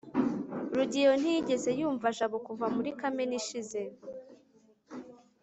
rugeyo ntiyigeze yumva jabo kuva muri kamena ishize